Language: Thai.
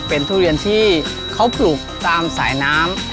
เป็นทุเรียนที่เขาปลูกตามสายน้ำ